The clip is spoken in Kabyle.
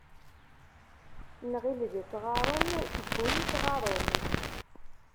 Nɣil d isɣaren tewwim isɣaren.